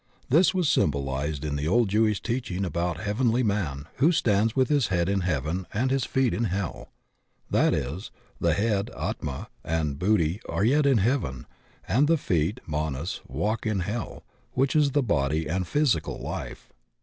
This was symbolized in the old Jewish teaching about the Heav enly Man who stands with his head in heaven and his feet in hell. That is, the head Atma and Buddhi are yet in heaven, and the feet, Manas, walk in hell, which is the body and physical life.